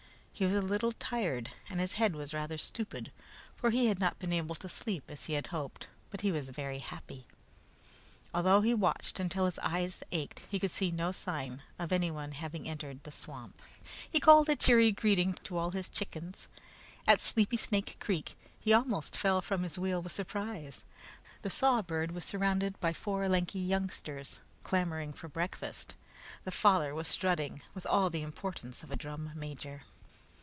He was a little tired and his head was rather stupid, for he had not been able to sleep as he had hoped, but he was very happy. Although he watched until his eyes ached, he could see no sign of anyone having entered the swamp. He called a cheery greeting to all his chickens. At Sleepy Snake Creek he almost fell from his wheel with surprise: the saw bird was surrounded by four lanky youngsters clamoring for breakfast. The father was strutting with all the importance of a drum major.